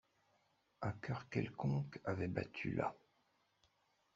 Un cœur quelconque avait battu là.